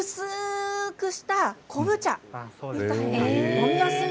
飲みやすい。